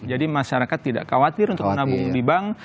jadi masyarakat tidak khawatir untuk menabung di bank